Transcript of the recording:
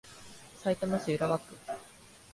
さいたま市浦和区